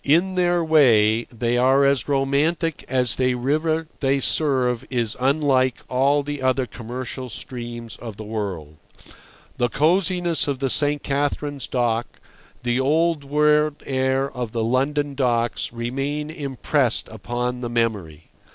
In their way they are as romantic as the river they serve is unlike all the other commercial streams of the world. The cosiness of the St. Katherine's Dock, the old world air of the London Docks, remain impressed upon the memory.